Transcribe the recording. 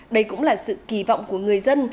đây cũng là sự kỳ vọng của người dân